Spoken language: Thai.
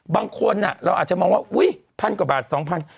บางคนเราอาจจะมองว่าอุ๊ยพันกว่าบาท๒๐๐บาท